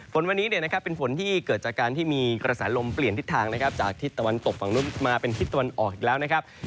ฝนวันนี้เป็นฝนที่เกิดจากการที่มีกระแสลมเปลี่ยนทิศทางนะครับจากทิศตะวันตกฝั่งนู้นมาเป็นทิศตะวันออกอีกแล้วนะครับ